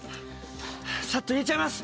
さっと入れちゃいます。